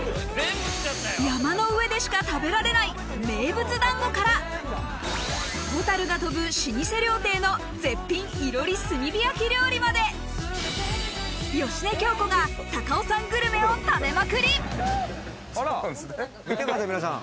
山の上でしか食べられない名物だんごから蛍が飛ぶ老舗料亭の絶品いろり炭火焼き料理まで芳根京子が高尾山グルメを食べまくり見てください皆さん